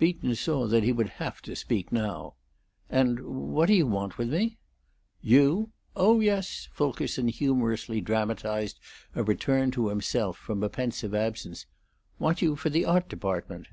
Beaton saw that he would have to speak now. "And what do you want with me?" "You? Oh yes," Fulkerson humorously dramatized a return to himself from a pensive absence. "Want you for the art department."